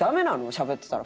しゃべってたら。